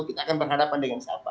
kita akan berhadapan dengan siapa